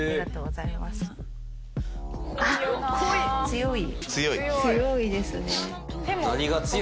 強いですね。